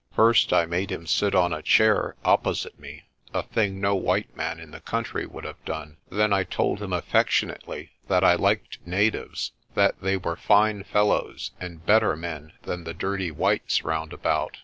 First I made him sit on a chair opposite me, a thing no white man in the country would have done. Then I told him affec tionately that I liked natives, that they were fine fellows and better men than the dirty whites round about.